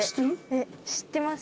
知ってます。